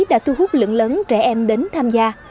đã thu hút lượng lớn trẻ em đến tham gia